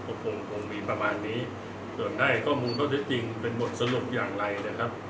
ก็คงคงมีประมาณนี้เกิดได้ข้อมูลข้อเท็จจริงเป็นบทสรุปอย่างไรนะครับ